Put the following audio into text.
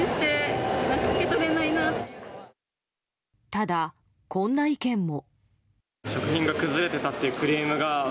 ただ、こんな意見も。